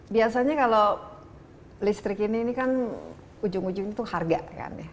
biasanya kalau listrik ini ini kan ujung ujung itu harga kan ya